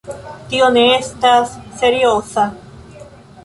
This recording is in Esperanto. Tio ne estas serioza.